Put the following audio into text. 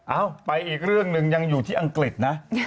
เอาไปอีกเรื่องหนึ่งยังอยู่ที่อังกฤษนะ